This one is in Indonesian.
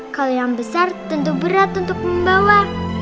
kalau yang besar tentu berat untuk membawa